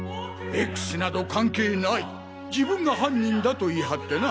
Ｘなど関係ない自分が犯人だと言い張ってな。